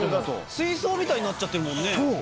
水槽みたいになっちゃってるもんね。